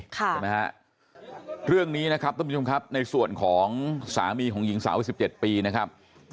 ใช่ไหมฮะเรื่องนี้นะครับท่านผู้ชมครับในส่วนของสามีของหญิงสาว๑๗ปีนะครับ